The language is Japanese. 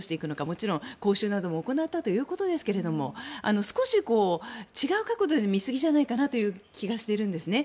もちろん講習なども行ったということですが少し、違う角度で見すぎじゃないかなという気がしてるんですね。